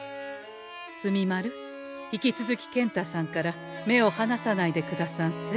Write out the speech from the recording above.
墨丸引き続き健太さんから目をはなさないでくださんせ。